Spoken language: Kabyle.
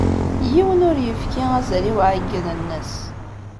Yiwen ur yefki azal i uɛeyyen-nnes.